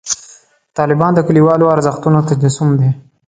طالبان د کلیوالو ارزښتونو تجسم دی.